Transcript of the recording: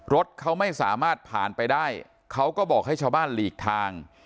รถเขาไม่สามารถผ่านไปได้เขาก็บอกให้ชาวบ้านหลีกทาง